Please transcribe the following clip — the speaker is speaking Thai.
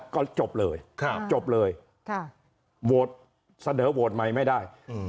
ก็จบเลยจบเลยโหวตเสนอโหวตใหม่ไม่ได้